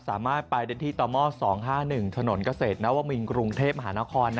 สามารถไปได้ที่ต่อหม้อ๒๕๑ถนนเกษตรนวมินกรุงเทพมหานคร